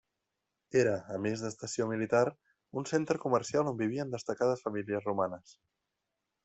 Era a més d'estació militar un centre comercial on vivien destacades famílies romanes.